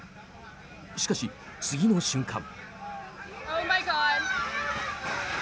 しかし、次の瞬間。